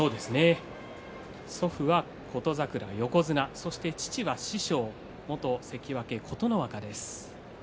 祖父は琴櫻、横綱そして父は師匠元関脇琴ノ若です。